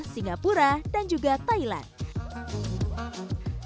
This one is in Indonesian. singapura dan juga thailand